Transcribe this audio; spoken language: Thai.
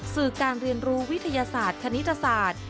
สื่อการเรียนรู้วิทยาศาสตร์คณิตศาสตร์